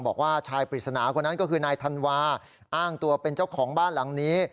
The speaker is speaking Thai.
บอกว่าชายปริศนาคนนั้นก็คือนายธันวาอ้างตัวเป็นเจ้าของบ้านหลังนี้